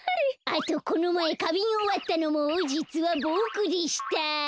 あとこのまえかびんをわったのもじつはボクでした。